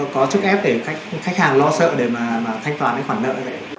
có chức ép để khách hàng lo sợ để mà thanh toán cái khoản nợ ở đấy